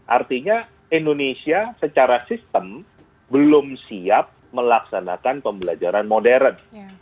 artinya indonesia secara sistem belum siap melaksanakan pembelajaran modern